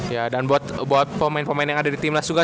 ya dan buat pemain pemain yang ada di timnas juga